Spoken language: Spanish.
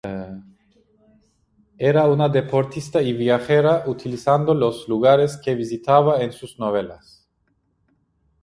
Era una deportista y viajera, utilizando los lugares que visitaba en sus novelas.